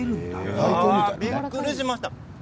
びっくりしました。